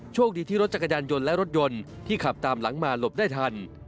โชคดีที่รถจักรยานยนต์และรถยนต์ที่ขับตามหลังมาหลบได้ทัน